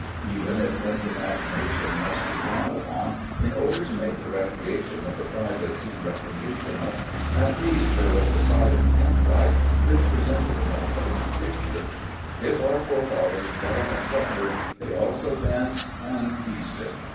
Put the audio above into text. Even if one's imagination must be drawn upon in order to make the recreation of the private seem recreational, at least, there was a side of camp life which presented a more pleasant picture "If our forefathers bled and suffered they also danced and feasted."